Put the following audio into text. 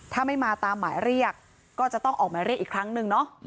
ถ้าไม่มาตามหมายเรียกก็จะต้องออกหมายเรียกอีกครั้งนึงเนาะ